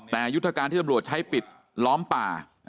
แต่ยุทธการที่ตำรวจใช้ปิดล้อมป่า